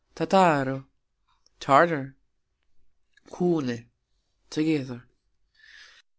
tataro : Tartar. kune : together.